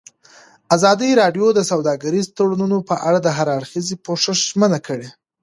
ازادي راډیو د سوداګریز تړونونه په اړه د هر اړخیز پوښښ ژمنه کړې.